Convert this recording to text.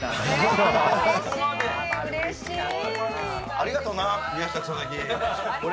ありがとな、宮下草薙。